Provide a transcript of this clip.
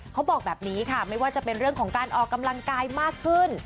เขาบอกแบบนี้ค่ะไม่ว่าจะเป็นเรื่องของการออกกำลังกายมากขึ้น